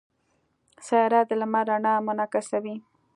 سیاره د لمر رڼا منعکسوي.